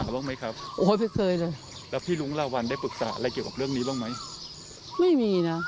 แล้วพี่ลุงลาวัลได้ปรึกษาอะไรเกี่ยวกันเรื่องนี้บ้างไหม